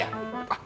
ah biasa dia takut